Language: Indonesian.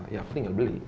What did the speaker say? ya tinggal beli